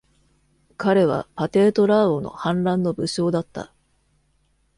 彼はパテート・ラーオの反乱の武将だった。